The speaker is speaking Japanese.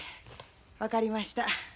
分かりました。